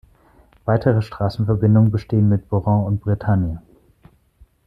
Weitere Straßenverbindungen bestehen mit Boron und Bretagne.